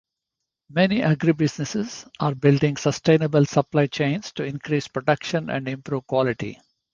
Many agribusinesses are building sustainable supply chains to increase production and improve quality.